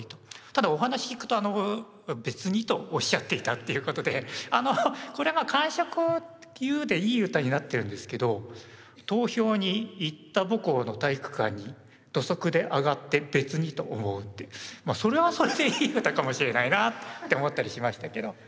ただお話聞くと「別に」とおっしゃっていたっていうことでこれが「感触を言う」でいい歌になってるんですけど「投票に行った母校の体育館に土足で上がって別にと思う」ってまあそれはそれでいい歌かもしれないなって思ったりしましたけど。